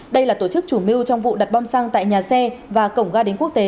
đây là tổ chức chủ mưu trong vụ đặt bom xăng tại nhà xe và cổng ga đến quốc tế